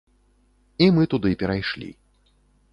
І мы туды перайшлі.